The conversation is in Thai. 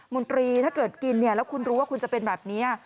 นตรีถ้าเกิดกินเนี่ยแล้วคุณรู้ว่าคุณจะเป็นแบบนี้